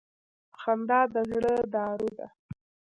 • خندا د زړه دارو ده.